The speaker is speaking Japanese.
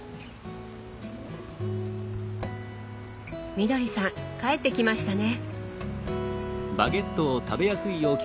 みどりさん帰ってきましたね。